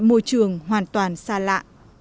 tại môi trường hoàn toàn xa lạ